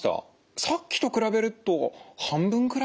さっきと比べると半分くらいの力ですかね。